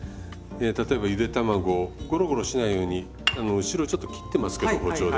例えばゆで卵ゴロゴロしないように後ろをちょっと切ってますけど包丁で。